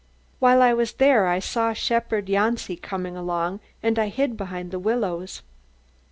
While I was there I saw shepherd Janci coming along and I hid behind the willows.